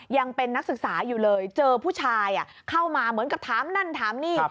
ยังเป็นนักศึกษาอยู่เลยเจอผู้ชายเข้ามาเหมือนกับถามนั่นถามนี่